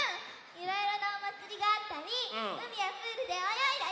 いろいろなおまつりがあったりうみやプールでおよいだり。